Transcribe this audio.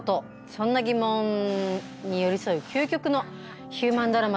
そんな疑問に寄り添う究極のヒューマンドラマとなっております。